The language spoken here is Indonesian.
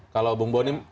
kalau bung boni